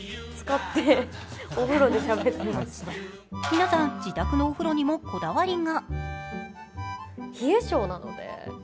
皆さん、自宅のお風呂にもこだわりが。